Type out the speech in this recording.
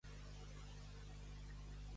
A la Ginebrosa, raboses.